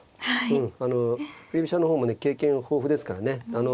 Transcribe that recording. うんあの振り飛車の方もね経験豊富ですからね。